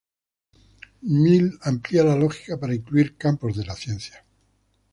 Mill amplía la lógica para incluir campos de la ciencia.